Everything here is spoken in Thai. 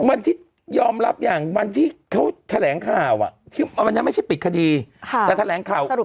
วันที่ยอมรับอย่างวันที่เขาแถลงข่าววันนั้นไม่ใช่ปิดคดีแต่แถลงข่าวสรุป